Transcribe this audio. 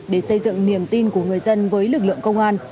để xây dựng niềm tin của người dân với lực lượng công an